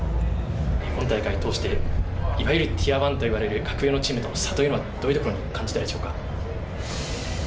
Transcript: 今大会通して、いわゆるティア１と言われる、格上のチームとの差は、どういうところに感じましたか。